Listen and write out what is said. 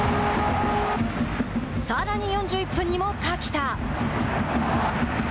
さらに４１分にも垣田。